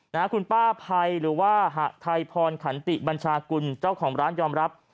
นะฮะคุณป้าภัยหรือว่าหะไทยพรขันติบัญชากุลเจ้าของร้านยอมรับ